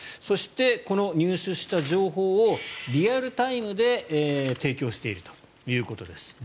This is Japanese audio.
そして、この入手した情報をリアルタイムで提供しているということです。